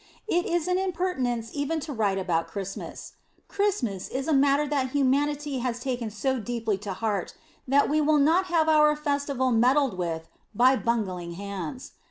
It is an impertinence even to write about Christmas. Christmas is a matter that humanity has taken so deeply to heart that we will not have our festival meddled with by bungling hands.